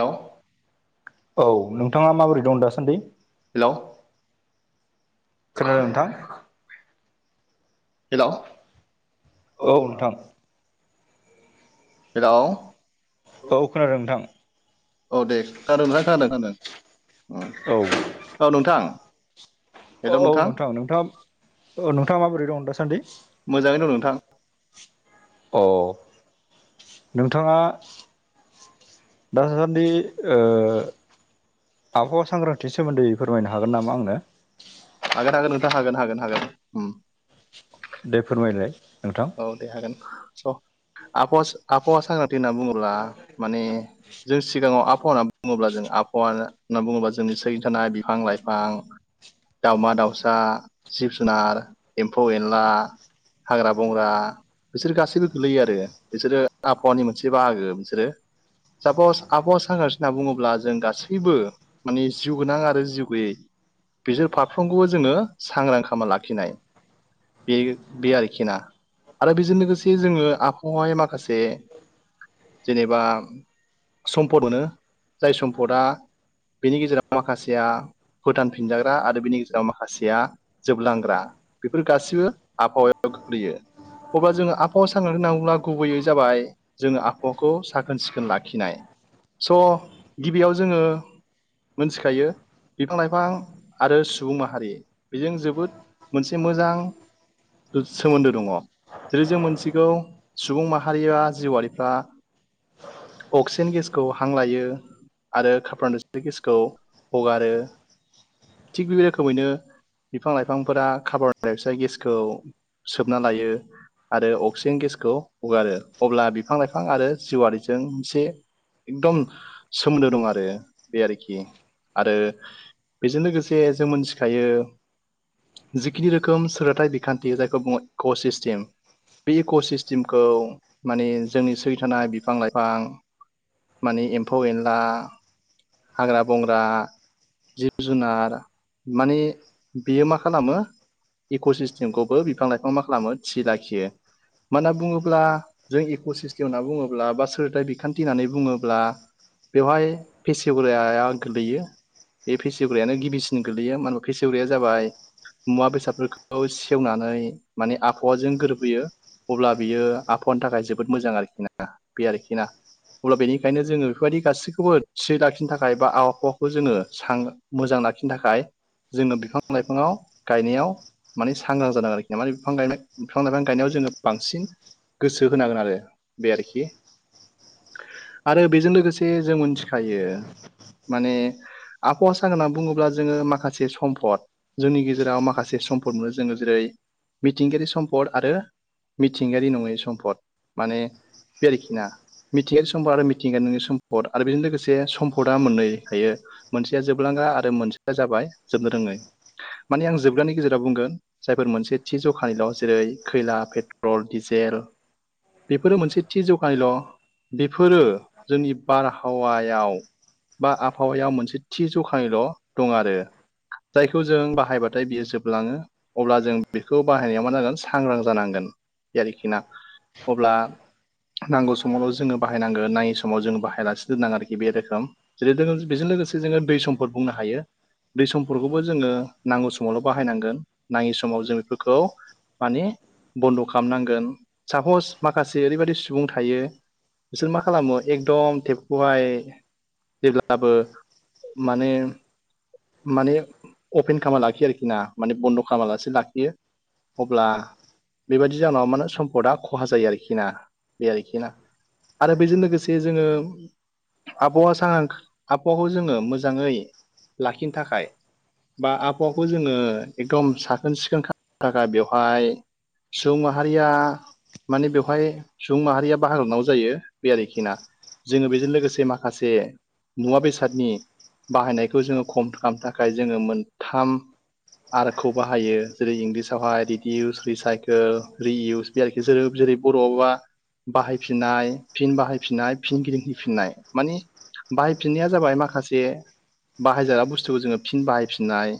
Hello औ नोंथाङा माबोरै दं दासान्दि हेलौ खोनादों नोंथां हेलौ औ नोंथां हेलौ औ खोनादों नोंथां औ दे खानादों नोंथां खानादों खानादों औ औ नोंथां औ औ नोंथां नोंथाङा नोंथाङा माबोरै दं दासान्दि मोजाङैनो दं नोंथां अ नोंथाङा दासासान्दि ओ आबहावा सांग्रांथिनि सोमोन्दै फोरमायनो हागोन नामा आंनो हागोन हागोन नोंथां हागोन हागोन हागोन उम दे फोरमायलाय नोंथां औ दे हागोन स आबहावा आबहावा सांग्रांथि होनना बुङोब्ला माने जों सिगाङाव आबहाव होनना बुङोब्ला जों आबहावा होनना बुङोब्ला जोंनि सोरगिदिं थानाय बिफां लाइफां दाउमा दाउसा जिब जुनार एम्फौ एनला हाग्रा बंग्रा बिसोर गासैबो गोलैयो आरो बिसोरो आबहावानि मोनसे बाहागो बिसोरो सापस आबहावा सांग्रांथि होनना बुङोब्ला जों गासैबो माने जिउ गोनां आरो जिउ गैयै बिसोर फारफ्रोमखौबो जोङो सांग्रां खालामा लाखिनाय बे बे आरोखिना आरो बेजों लोगोसे जोङो आखावहाय माखासे जेनेबा सम्पद मोनो जाय सम्पदआ बेनि गेजेराव माखासेया फुटानफिनजाग्रा आरो बिनि गेजेराव माखासेया जोबलांग्रा बेफोर गासिबो आबहावायाव गोख्लैयो। अब्ला जोङो आहाव सांग्रां होननांगौब्ला गुबैयै जाबाय जोङो आखहाखौ साखोन सिखोन लाखिनाय स' गिबियाव जोङो मोनथि खायो। बिफां लाइफां आरो सुबुं माहारि बेजों जोबोद मोनसे मोजां सोमोन्दो दङ। जेरै जों मिथिगौ सुबुं माहारिया जिउआारिफ्रा अक्सिजेन गेसखौ हां लायो। आरो खाफान दुस्रि गेसखौ हगारो थिग बे रोखोमैनो बिफां लाइफांफोरा खाबरनिफ्राय फिसाय गेसखौ सोबना लायो। आरो अक्सिजेन गेसखौ हगारो अब्ला बिफां लाइफां आरो जिवारिजों मोनसे एकदम सोमोन्दो दं आरो बे आरोखि आरो बेजों लोगोसे जों मोनथिखायो। जिखिनि रोखोम सोरोथायाइ बिखान्थि जायखौ बुङो इक' सिस्टेम बे इक' सिस्टेमखौ माने जोंनि सै थानाय बिफां लाइफां माने एम्फौ एनला हाग्रा बंग्रा जिब जुनार माने बेयो मा खालामो इक' सिस्टेमखौबो बिफां लाइफां मा खालामो थि लाखियो। मानोना बुङोब्ला जों इक' सिस्टेम होनना बुङोब्ला बा सोरथाइ बिखान्थि होननानै बुङोब्ला बेवहाय फेसिवोराया आं गोलैयो। बे फेसिवग्रियानो गिबिसिन गोल्लैयो मानो होनबा फेसिवग्राया जाबाय मुवा बेसादफोरखौ सेवनानै माने आफ आबहाजों गोरबोैयो अब्ला बियो आबहानि थाखाय जोबोद मोजां आरोखि ना बे आरोखि ना अब्ला बेनिखायनो जोङो बेफोरबायदि गासैखौबो थि लाखिनो थाखाय बा आबहावाखौ जोङो स मोजां लाखिनो थाखाय जोङो बिफां लाइफाङाव गायनायाव माने सांग्रां जादों आरोखि ना माने बिफां गायनाय बिफां लाइफां गायनायाव जोङो बांसिन गोसो होनांगोन आरो बे आरोखि आरो बेजों लोगोसे जों मिथिखायो माने आबहावासा होनना बुङोब्ला जोङो माखासे सम्फद जोंनि गेजेराव माखासे सम्पद मोनो जोङो जेरै मिथिंगायारि सम्पद आरो मिथिंगायारि नङै सम्फद माने बे आरोखिना मिथिंगायानि सम्पद आरो मिथिंगानिोंनि सम्फद आरो बेजों लोगोसे सम्पदा मोनै हायो। मोनसेया जोबलांग्रा आरो मोनसेया जाबाय जोबनो रोङै। माने आं जोबगानि गेजेराव बुंगोन जायफोर मोनसे थि जखानिल' जेरै खैला पेट्रल डिजेल बेफोरो मोनसे थि जखानिल' बेफोरो जोंनि बारहावायाव बा आबहावायाव मोनसे थि जखायल' दं आरो। जायखौ जों बाहायबाथाय बियो जोबलाङो अब्ला जों बेखौ बाहायनाया मा जागोन सांग्रां जानांगोन ज आरोखिना अब्ला नांगौ समावल' जोङो बाहायनांगो नायै समाव जोङो बाहायालासेनो दोननांगो आरोखि बे रोखोम जेरै बेजों लोगोसे जोङो दै समफोर बुंनो हायो। दै समफोरखौबो जोङो नांगौ समावल' बाहायनांगोन नाङि समाव जों बेफोरखौ माने बन्द' खालामनांगोन सापस माखासे ओरैबायाददि सुबुं थायो। बिसोर मा खालामो एकदम टेबखौहाय जेब्लाबो माने माने अपेन खालामना लाखियो आरोखि ना माने बन्द' खालामालासे लाखियो। अब्ला बेबायाददि जउनाव माने सम्पदआ खहा जायो आरोखि ना बे आरोखि ना आरो बेजों लोगोसे जोङो आबहावा सां आबहावाखौ जोङो मोजाङै लाखिनो थाखाय बा आबहावाखौ जोङो एकदम साखोन सिखोन खालामनो थाखाय बेवहाय सुबुं माहारिया माने बेवहाय सुबुं माहारिया भारतनाव जायो बे आरोखिना जोङो बेजों लोगोसे माखासे मुवा बेसादनि बाहायनायखौ जोङो खम खालामनो थाखाय जोङो मोनथाम आर खौ बाहायो जेरै इंलिसावहाय रिउस रिसाइकोल रिइउस आरोखि जोङो जेरै बर'आवबा बाहायफिननाय फिन बाहायफिननाय फिन गिदिंहैफिननाय माने बाहायफिननाया जाबाय माखासे हायजागा बुस्थुखौ जोङो फिन बाहायफिननाय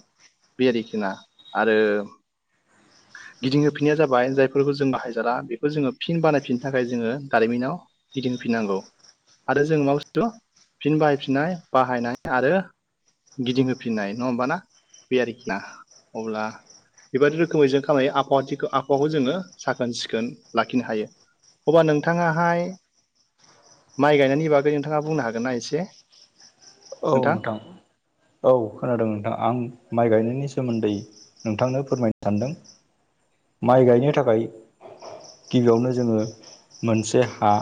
बे आरोखि ना आरो [inaudible] गिदिंहोफिननाया जाबाय जायफोरखौ जों बाहायजारा बेखौ जोङो फिन बानायफिननो थाखाय जोङो दारिमिनाव गिदिंफिननांगौ आरो जों मा बुस्थु फिन बाहायफिननाय बाहायनाय आरो गिदिंहोफिननाय नङा होमबा ना बे आरोखि ना अब्ला बेबायदि रोखोमै जों आहावाथिखौ आबहावाखौ जोङो साखोन सिखोन लाखिनो हायो। अब्ला नोंथाङाहाय माइ गायनायनि बागै नोंथाङा बुंनो हागोना एसे औ नोंथां औ खोनादों नोंथां आं माइ गायनायनि सोमोन्दै नोंथांनो फोरमायनो सानदों माइ गायनो थाखाय गिबियावनो जोङो मोनसे हा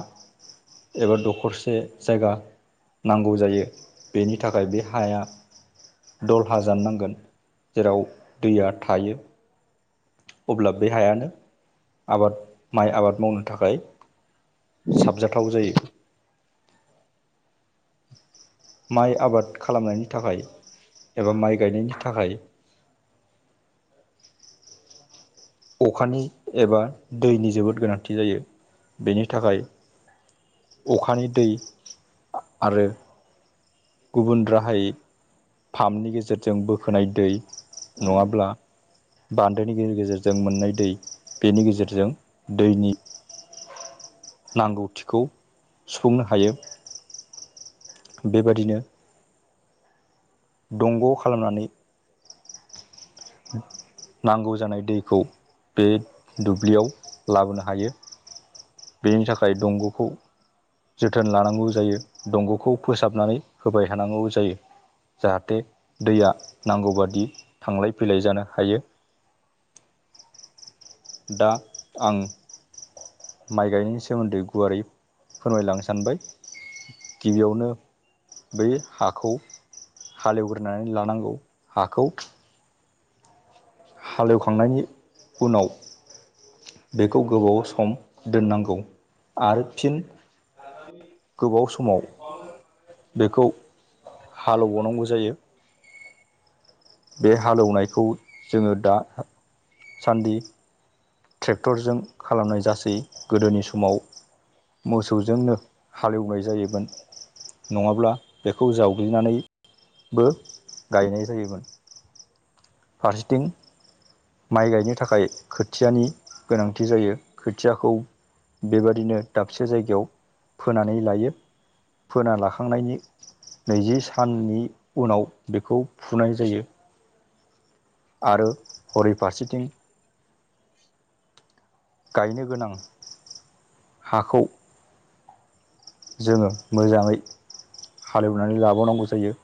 एबा दखरसे जायगा नांगौ जायो। बेनि थाखाय बे हाया दलहा जान नांगोन जेराव दैया थायो अब्ला बै हायानो आबाद माइ आबाद मावनो थाखाय साबजाथाव जायो। माइ आबाद खालामनायनि थाखाय एबा माइ गायनायनि थाखाय अखानि एबा दैनि जोबोद गोनांथि जायो बेनि थाखाय अखानि दै आरो गुबुन राहायै पाम्पनि गेजेरजों बोखोनाय दै नङाब्ला बान्दोनि गेजेर गेजेरजों मोननाय दै बेनि गेजेरजों दैनि नांगौथिखौ सुफुंनो हायो। बेबादिनो दंग' खालामनानै नांगौ जानाय दैखौ बे दुब्लियाव लाबोनो हायो बेनि थाखाय दंग'खौ जोथोन लानांगौ जायो दंग'खौ फोसाबनानै होबाय थानांगौ जायो। जाहाथे दैया नांगौबादि थांलाय फैलाय जानो हायो। दा आं माइ गायनायनि सोमोन्दै गुवारै फोरमायलांनो सानबाय गिबियावनो बै हाखौ हालेवग्रोनानै लानांगौ हाखौ हाल एवखांनायनि उनाव बेखौ गोबाव सम दोननांगौ आरो फिन गोबाव समाव बेखौ हाल एवबावनांगौ जायो। बे हाल एवनायखौ जोङो दा सान्दि ट्रेक्टरजों खालामनाय जासै गोदोनि समाव मोसौजोंनो हालेवनाय जायोमोन नङाब्ला बेखौ जावग्लिनानै बो गायनाय जायोमोन फारसेथिं माइ गायनो थाखाय खोथियानि गोनांथि जायो खोथियाखौ बेबादिनो दाबसे जायगायाव फोनानै लायो फोना लाखांनायनि नैजि साननि उनाव बेखौ फुनाय जायो। आरो हरै फारसेथिं [inaudible] गायनो गोनां हाखौ जोङो मोजाङै हाल एवनानै लाबावनांगौ जायो।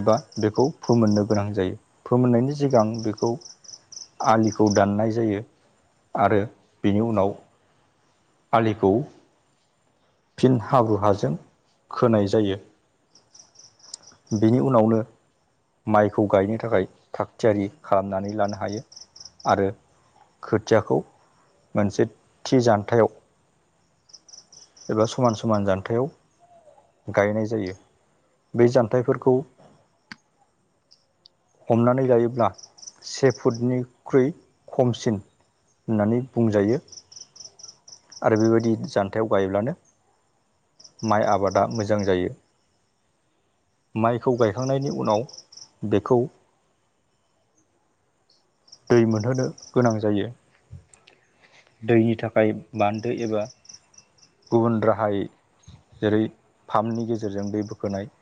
एबा बेखौ फोमोननो गोनां जायो फोमोननायनि सिगां बेखौ आलिखौ दाननाय जायो आरो बेनि उनाव आलिखौ फिन हाब्रु हाजों खोनाय जायो। बेनि उनावनो माइखौ गायनो थाखाय थाग थियारि खालामनानै लानो हायो आरो खोथियाखौ मोनसे थि जान्थायाव एबा समान समान जान्थायाइाव गायनाय जायो ब जान्थायाइफोरखौ हमनानै लायोब्ला से फुटनिख्रुइ खमसिन होननानै बुंजायो। आरो बेबायदि जान्थायाव गायोब्लानो माइ आबादा मोजां जायो। माइखौ गायखांनायनि उनाव बेखौ [inaudible] दै मोनहोनो गोनां जायो। दैनि थाखाय बान्दो एबा गुबुन राहाय जेरै फाम्पनि गेजेरजों दै बोखोनाय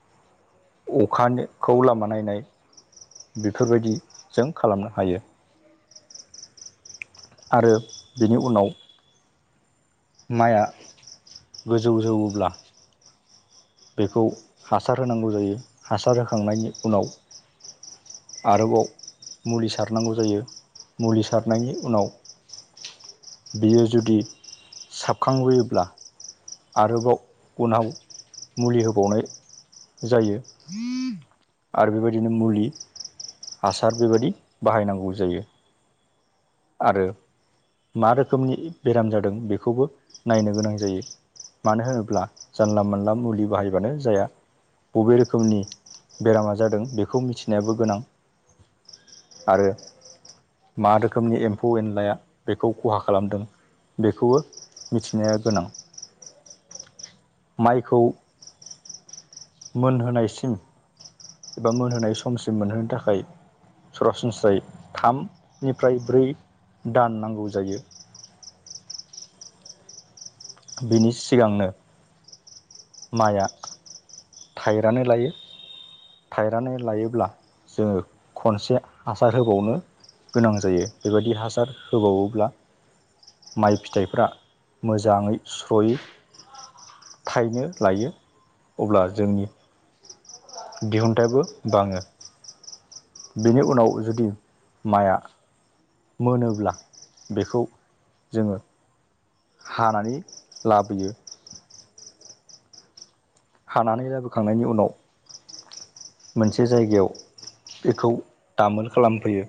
अखाखौ लामा नायनाय बेफोरबायदि जों खालामनो हायो। आरो बेनि उनाव माइआ गोजौ जौवोब्ला बेखौ हासार होनांगौ जायो हासार होखांनायनि उनाव आरोबाव मुलि सारनांगौ जायो मुलि सारनायनि उनाव बियो जुदि साबखांबोयोब्ला आरोबाव उनाव मुलि होबावनाय जायो। आरो बेबायदिनो मुलि हासार बेबायदि बाहायनांगौ जायो। आरो मा रोखोमनि बेराम जादों बेखौबो नायनो गोनां जायो। मानो होनोब्ला जानला मोनानला मुलि बाहायबानो जाया। बबे रोखोमनि बेरामा जादों बेखौ मिथिनायाबो गोनां। आरो मा रोखोमनि एम्फौ एनलाया बेखौ खहा खालामदों बेखौबो मिथिनाया गोनां। माइखौ मोनहोनायसिम एबा मोनहोनाय समसिम मोनहोनो थाखाय सरासनस्रायै थामनिफ्राय ब्रै दान नांगौ जायो। बिनि सिगांनो माइआ थाइरानो लायो। थायनानै लायोब्ला जोङो खनसे हासार होबावनो गोनां जायो बेबायदि हासार होबावोब्ला माइ फिथाइफ्रा मोजाङै स्र'यो थाइनो लायो अब्ला जोंनि दिहुनथायाबो बाङो बेनि उनाव जुदि माइआ मोनोब्ला बेखौ जोङो हानानै लाबोयो। हानानै लाबोखांनायनि उनाव मोनसे जायगायाव बेखौ दामोल खालामफैयो।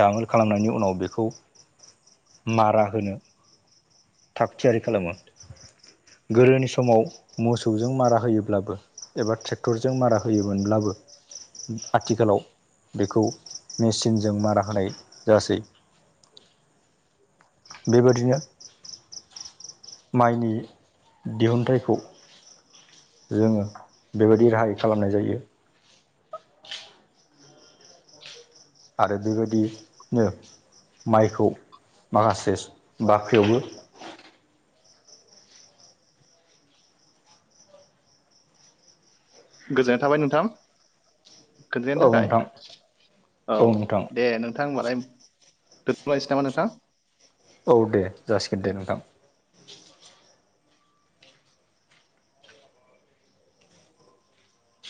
दामोल खालामनायनि उनाव बेखौ मारा होनो। थाग थियारि खालामो गोदोनि समाव मोसौजों मारा होयोब्लाबो एबा ट्रेक्टरजों मारा होयोमोनब्लाबो आथिखालाव बेखौ मेचिनजों मारा होनाय जासै बेबायदिनो माइनि दिहुनथाइखौ जोङो बेबायदि राहाय खालामनाय जायो। [inaudible] आरो बेबायदिनो माइखौ माखासे बाख्रियावबो गोजोन्नाय थाबाय नोंथां खोनथायानो औ थाखाय नोंथां औ दे नोंथां होनबालाय दोनथ' लायनोसै नामा नोंथां? औ दे जासिगोन दे नोंथां।